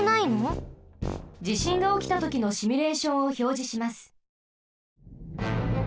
じしんがおきたときのシミュレーションをひょうじします。